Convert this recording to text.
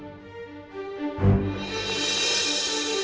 yang saya yang pas selama ini